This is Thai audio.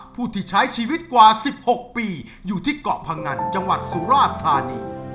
ผู้ที่ใช้ชีวิตกว่า๑๖ปีอยู่ที่เกาะพงันจังหวัดสุราชธานี